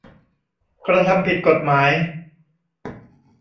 กระทำผิดกฎหมาย